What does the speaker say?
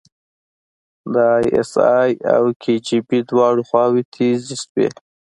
د ای اس ای او کي جی بي دواړه خواوې تیزې شوې.